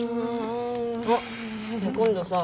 あっ今度さ